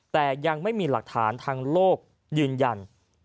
แต่ยังไม่มีหลักฐานทางโลกยืนยัน